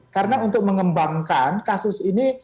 karena untuk mengembangkan kasus ini